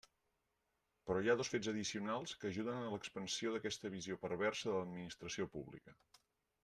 Però hi ha dos fets addicionals que ajuden a l'expansió d'aquesta visió perversa de l'administració pública.